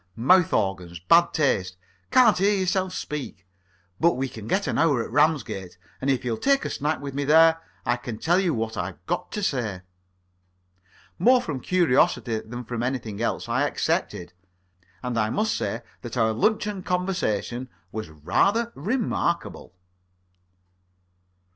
Mouth organs. Bad taste. Can't hear yourself speak. But we get an hour at Ramsgate, and if you'll take a snack with me there, I can tell you what I've got to say." More from curiosity than from anything else, I accepted. And I must say that our luncheon conversation was rather remarkable.